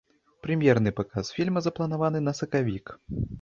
Прэм'ерны паказ фільма запланаваны на сакавік.